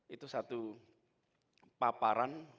itu satu paparan